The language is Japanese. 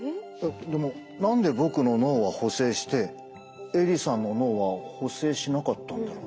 でも何で僕の脳は補正してえりさんの脳は補正しなかったんだろう？